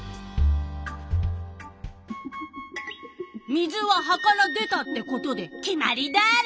水は葉から出たってことで決まりダーロ！